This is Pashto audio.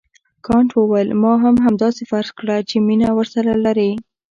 کانت وویل ما هم همداسې فرض کړه چې مینه ورسره لرې.